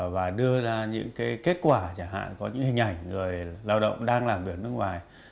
và đưa ra những kết quả chẳng hạn có những hình ảnh người lao động đang làm việc ở nước ngoài